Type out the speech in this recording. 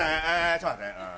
ちょっと待って。